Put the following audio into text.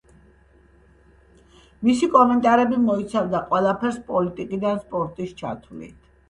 მისი კომენტარები მოიცავდა ყველაფერს პოლიტიკიდან სპორტის ჩათვლით.